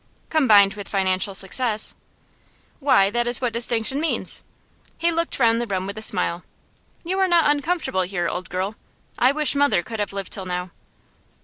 'Combined with financial success.' 'Why, that is what distinction means.' He looked round the room with a smile. 'You are not uncomfortable here, old girl. I wish mother could have lived till now.